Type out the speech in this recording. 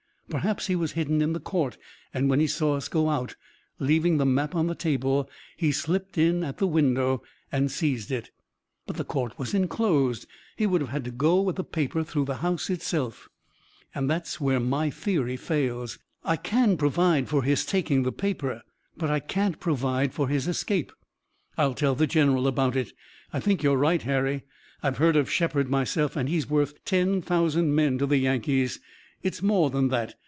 Perhaps he was hidden in the court and when he saw us go out, leaving the map on the table, he slipped in at the window and seized it." "But the court was enclosed. He would have had to go with the paper through the house itself." "That's where my theory fails. I can provide for his taking the paper, but I can't provide for his escape." "I'll tell the General about it. I think you're right, Harry. I've heard of Shepard myself, and he's worth ten thousand men to the Yankees. It's more than that.